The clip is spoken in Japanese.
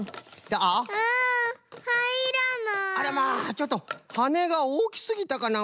ちょっとはねがおおきすぎたかな？